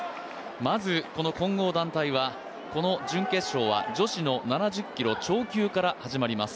まずこの混合団体はこの準決勝は女子の７０キロ超級から始まります。